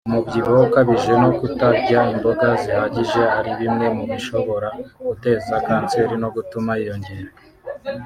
umubyibuho ukabije no kutarya imboga zihagije ari bimwe mu bishobora guteza Kanseri no gutuma yiyongera